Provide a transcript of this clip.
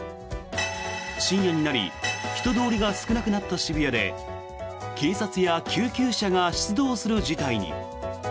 深夜になり人通りが少なくなった渋谷で警察や救急車が出動する事態に。